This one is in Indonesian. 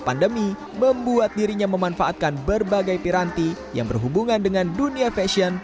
pandemi membuat dirinya memanfaatkan berbagai piranti yang berhubungan dengan dunia fashion